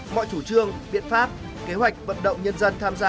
mọi chủ trương biện pháp kế hoạch vận động nhân dân tham gia